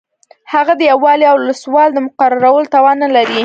هغه د یو والي او ولسوال د مقررولو توان نه لري.